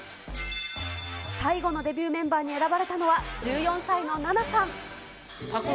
最後のデビューメンバーに選ばれたのは、１４歳のナナさん。